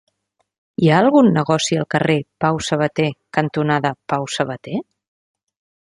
Hi ha algun negoci al carrer Pau Sabater cantonada Pau Sabater?